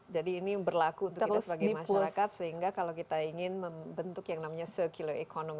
jadi ini berlaku untuk kita sebagai masyarakat sehingga kalau kita ingin membentuk yang namanya circular economy